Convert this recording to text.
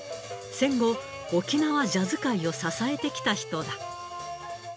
戦後、沖縄ジャズ界を支えてきた人だ。